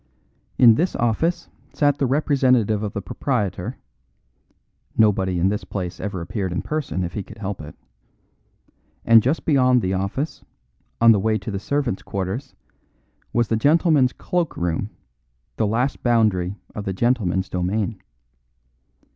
In this office sat the representative of the proprietor (nobody in this place ever appeared in person if he could help it), and just beyond the office, on the way to the servants' quarters, was the gentlemen's cloak room, the last boundary of the gentlemen's domain.